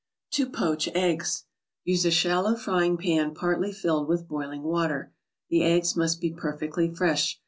TO POACH EGGS Use a shallow frying pan partly filled with boiling water. The eggs must be perfectly fresh.